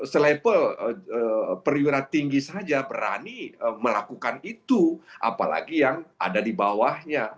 selepel perwira tinggi saja berani melakukan itu apalagi yang ada di bawahnya